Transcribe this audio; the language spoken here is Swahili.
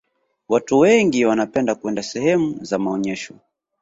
watu wengi wanapenda kwenda sehemu za maonyesho